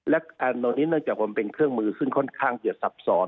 และตอนนี้เนื่องจากมันเป็นเครื่องมือซึ่งค่อนข้างจะซับซ้อน